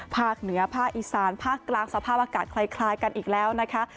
ภาคเหนือภาคอีสานภาคกลางสภาพอากาศคล้ายกันอีกแล้วนะคะ